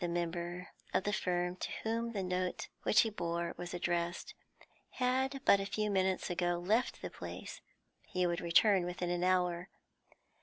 The member of the firm to whom the note which he bore was addressed had but a few minutes ago left the place; he would return within an hour.